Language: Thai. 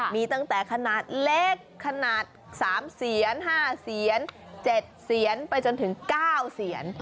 มีตั้งแต่ขนาดเล็กขนาด๓เสียน๕เสียน๗เสียนไปจนถึง๙เสียน